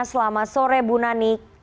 selamat sore bu nanik